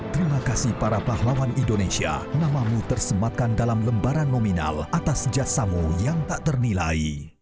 terima kasih para pahlawan indonesia namamu tersematkan dalam lembaran nominal atas jasamu yang tak ternilai